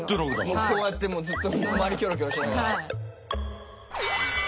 もうこうやってもうずっと周りキョロキョロしながら。